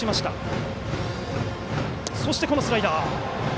そしてスライダー。